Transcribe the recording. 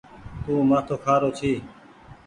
تو مآٿو کآرو ڇي۔